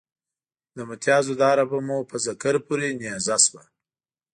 د متیازو داره به مو په ذکر پورې نیزه شوه.